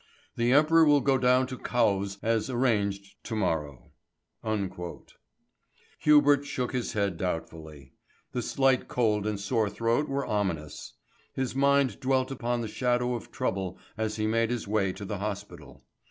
The Emperor will go down to Cowes as arranged to morrow." Hubert shook his head doubtfully. The slight cold and sore throat were ominous. His mind dwelt upon the shadow of trouble as he made his way to the hospital.